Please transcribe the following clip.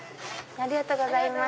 ありがとうございます。